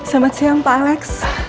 selamat siang pak alex